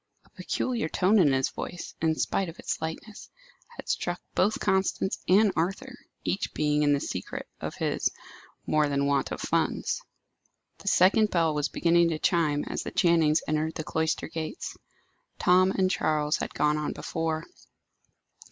A peculiar tone in his voice, in spite of its lightness, had struck both Constance and Arthur, each being in the secret of his more than want of funds. The second bell was beginning to chime as the Channings entered the cloister gates. Tom and Charles had gone on before.